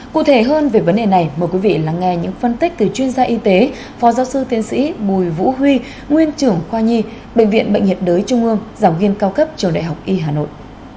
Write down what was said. cụ thể hơn về vấn đề này mời quý vị lắng nghe những phân tích từ chuyên gia y tế phó giáo sư tiến sĩ bùi vũ huy nguyên trưởng khoa nhi bệnh viện bệnh nhiệt đới trung ương giảng viên cao cấp trường đại học y hà nội